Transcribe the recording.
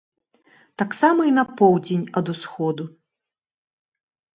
Таксама і на поўдзень ад усходу.